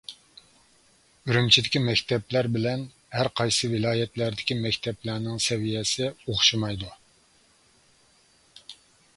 ئۈرۈمچىدىكى مەكتەپلەر بىلەن ھەر قايسى ۋىلايەتلەردىكى مەكتەپلەرنىڭ سەۋىيەسى ئوخشىمايدۇ.